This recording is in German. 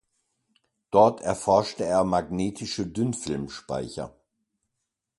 Dort erforschte er magnetische Dünnfilmspeicher.